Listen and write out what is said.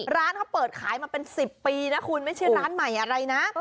ร้านเขาเปิดขายมาเป็น๑๐ปีนะคุณไม่ใช่ร้านใหม่อะไรนะ